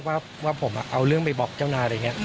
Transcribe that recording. ว่าผมเอาเรื่องไปบอกเจ้านายอะไรอย่างนี้